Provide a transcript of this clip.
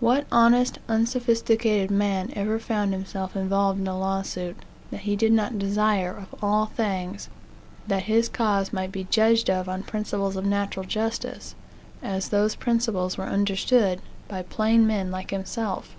What honest, unsophisticated man ever found himself involved in a lawsuit, that he did not desire, of all things, that his cause might be judged of on principles of natural justice, as those principles were understood by plain men like himself?